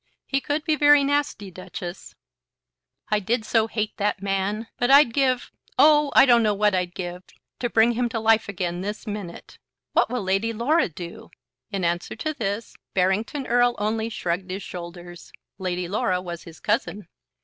"He could be very nasty, Duchess!" "I did so hate that man. But I'd give, oh, I don't know what I'd give to bring him to life again this minute. What will Lady Laura do?" In answer to this, Barrington Erle only shrugged his shoulders. Lady Laura was his cousin.